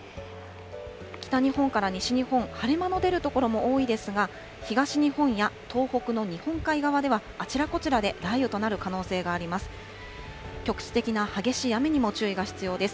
北日本から西日本、晴れ間の出る所も多いですが、東日本や東北の日本海側では、あちらこちらで雷雨となる可能性があります。